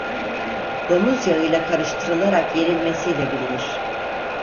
Domuz yağıyla karıştırılarak yenilmesiyle bilinir.